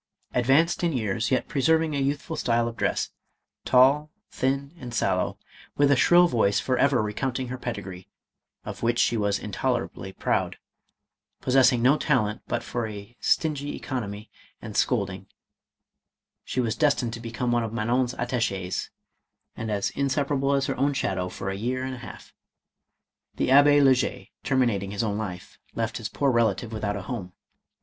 Ad vanced in years, yet preserving a youthful style of dress, tall, thin, and sallow, with a shrill voice forever recounting her pedigree, of which she was intolerably proud, possessing no talent but for a stingy economy and scolding, she was destined to become one of Ma non's attaches, and as inseparable as her own shadow for a year and a half. The Abbe* le Jay terminating .his own life, left his poor relative without a home.